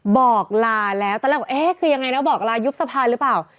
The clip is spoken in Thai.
บอกลาแล้วตอนแรกบอกเอ๊ะคือยังไงนะบอกลายุบสะพานหรือเปล่า